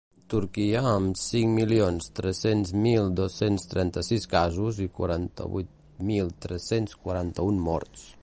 Turquia, amb cinc milions tres-cents mil dos-cents trenta-sis casos i quaranta-vuit mil tres-cents quaranta-un morts.